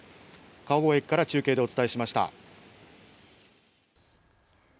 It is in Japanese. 川越から中継でお伝えしました。